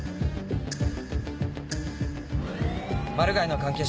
マル害の関係者